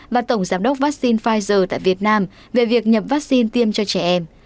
và tổng giám đốc vaccine pfizer tại việt nam về việc nhập vaccine tiêm cho trẻ em